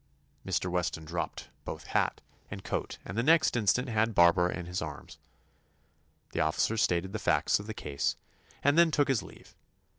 Mr. Weston dropped both hat and 159 THE ADVENTURES OF coat and the next instant had Barbara in his arms. The officer stated the facts of the case and then took his leave.